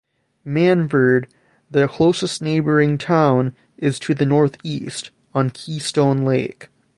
Mannford, the closest neighboring town, is to the northeast, on Keystone Lake.